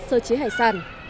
sơ chế hải sản